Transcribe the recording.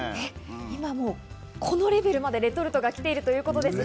今このレベルまでレトルトがきているということなんですが。